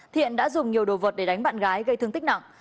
thiện đã dùng nhiều đồ vật để đánh bạn gái gây thương tích nặng